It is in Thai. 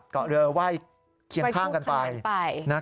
เกาะเรือไหว้เคียงข้างกันไป